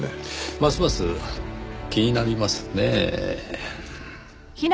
ますます気になりますねぇ。